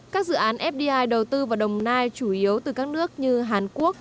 các dự án fdi đầu tư vào đồng nai chủ yếu từ các nước như hàn quốc